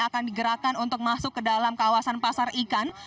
akan digerakkan untuk masuk ke dalam kawasan pasar ikan